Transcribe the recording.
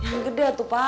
yang gede tuh pa